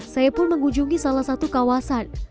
saya pun mengunjungi salah satu kawasan